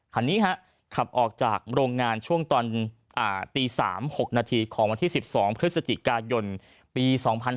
คันนี้ขับออกจากโรงงานช่วงตอนตี๓๖นาทีของวันที่๑๒พฤศจิกายนปี๒๕๕๙